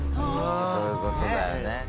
そういう事だよね。